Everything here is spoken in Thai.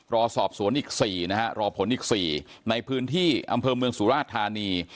รอสอบสวนอีก๔นะฮะรอผลอีก๔ในพื้นที่อำเภอเมืองสุราชธานี